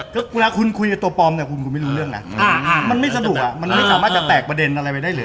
ก็เวลาคุณคุยกับตัวปลอมเนี่ยคุณคุณไม่รู้เรื่องนะมันไม่สะดวกมันไม่สามารถจะแตกประเด็นอะไรไปได้เลย